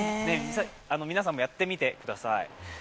皆さんもやってみてください。